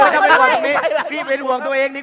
คุณจิลายุเขาบอกว่ามันควรทำงานร่วมกัน